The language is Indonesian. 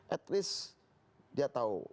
at least dia tahu